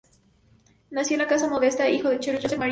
Nació en una casa modesta, hijo de Charles-Joseph y Marie-Joseph.